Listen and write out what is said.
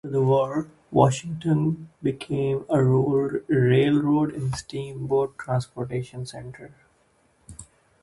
After the war, Washington became a railroad and steamboat transportation center.